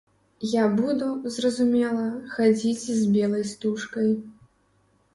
Я буду, зразумела, хадзіць з белай стужкай.